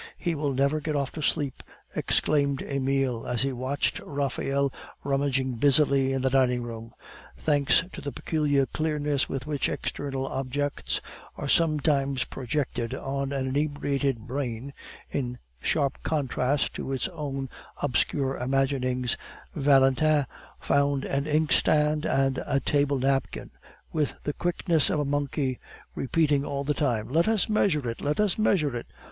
he will never get off to sleep," exclaimed Emile, as he watched Raphael rummaging busily in the dining room. Thanks to the peculiar clearness with which external objects are sometimes projected on an inebriated brain, in sharp contrast to its own obscure imaginings, Valentin found an inkstand and a table napkin, with the quickness of a monkey, repeating all the time: "Let us measure it! Let us measure it!"